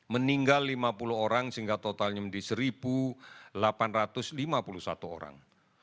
meninggal lima puluh orang sehingga totalnya menjadi satu delapan ratus lima puluh satu orang